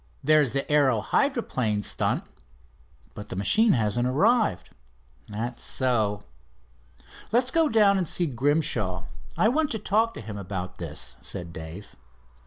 "There's the aero hydroplane stunt." "But the machine hasn't arrived." "That's so." "Let's go down and see Grimshaw. I want to talk to him about this," said Dave.